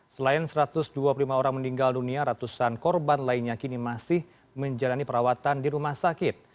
selain satu ratus dua puluh lima orang meninggal dunia ratusan korban lainnya kini masih menjalani perawatan di rumah sakit